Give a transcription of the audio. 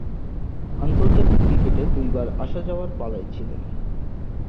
আন্তর্জাতিক ক্রিকেটে দুইবার আসা-যাওয়ার পালায় ছিলেন।